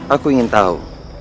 aku ingin tahu